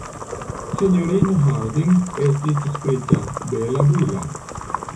Sinjorino Harding estis sprita, bela, brila.